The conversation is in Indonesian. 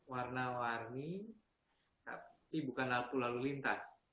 warna warni tapi bukan lampu lalu lintas